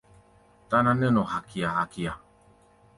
Táná nɛ́ nɔ hakia-hakia.